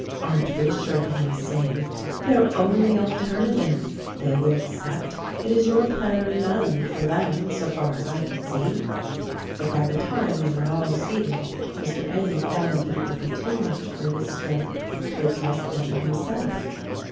Arndt reassured him, saying, "Their only alternative ! They will accept — it is your plan or none, for them, so far as I can see." But by the time they were all seated Mr. Endy found that it would be too much for his strength to address them himself.